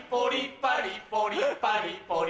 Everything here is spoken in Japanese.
パリポリパリポリ